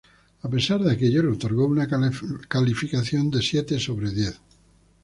A pesar de aquello le otorgó una calificación de siete sobre diez.